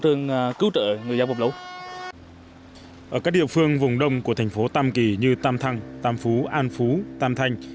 ở các địa phương vùng đông của thành phố tam kỳ như tam thăng tam phú an phú tam thanh